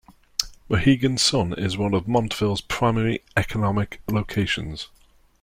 Mohegan Sun is one of Montville's primary economic locations.